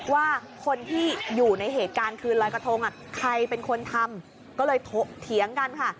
ว่าคนที่อยู่ในเหตุการณ์คืนลอยกระทงใครเป็นคนทำก็เลยเถียงกันค่ะ